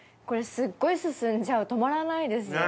これすっごい進んじゃう止まらないです。